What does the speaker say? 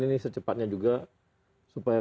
ini secepatnya juga supaya